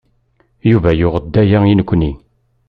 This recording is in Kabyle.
Yuba yuɣ-d aya i nekkni.